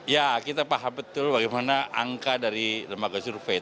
ya kita paham betul bagaimana angka dari lembaga survei